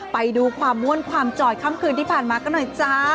ไปดูความม่วนความจ่อยค่ำคืนที่ผ่านมากันหน่อยจ้า